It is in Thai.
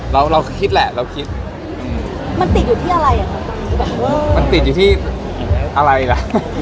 เราเราคิดแหละเราคิดมันติดอยู่ที่อะไรอ่ะคะมันติดอยู่ที่อะไรล่ะ